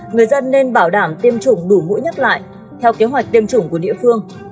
người dân nên bảo đảm tiêm chủng đủ mũi nhắc lại theo kế hoạch tiêm chủng của địa phương